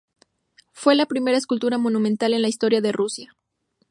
Fue la primera escultura monumental en la historia de Rusia.